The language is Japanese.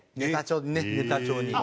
ネタ帳にね。